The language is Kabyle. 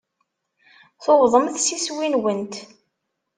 Tuwḍemt s iswi-nwent.